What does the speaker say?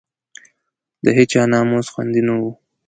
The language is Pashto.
د هېچا ناموس خوندي نه وو.